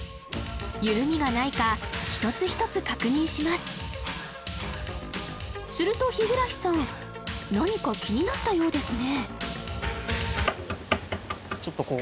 緩みがないか一つ一つ確認しますすると日暮さん何か気になったようですね